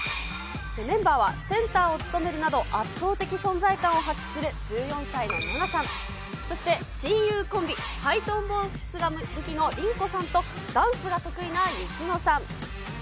メンバーはセンターを務めるなど圧倒的存在感を発揮する１４歳のナナさん、そして親友コンビ、ハイトーンボイスが武器の、リンコさんとダンスが得意なユキノさん。